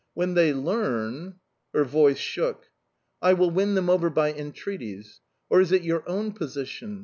When they learn"... Her voice shook. "I will win them over by entreaties. Or, is it your own position?...